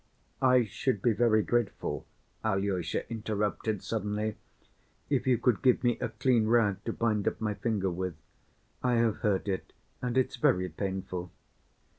"I should be very grateful," Alyosha interrupted suddenly, "if you could give me a clean rag to bind up my finger with. I have hurt it, and it's very painful."